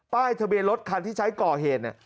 ป้ายทะเบียนรถคันที่ใช้ก่อเหตุ